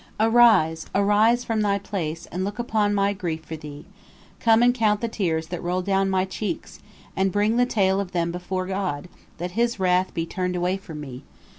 Arise, arise from thy place, and look upon my grief for thee. Come and count the tears that roll down my cheeks, and bring the tale of them before God, that His wrath be turned away from me.